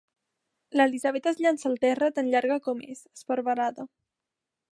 L'Elisabet es llança al terra tan llarga com és, esparverada.